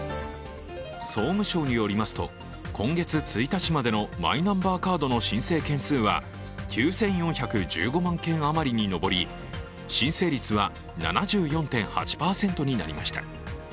総務省によりますと、今月１日までのマイナンバーカードの申請件数は９４１５万件余りに上り、申請率は７４．８％になりました。